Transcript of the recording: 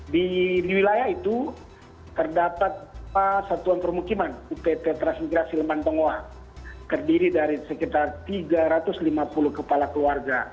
di wilayah itu terdapat satuan permukiman upt transmigrasi lembang pengua terdiri dari sekitar tiga ratus lima puluh kepala keluarga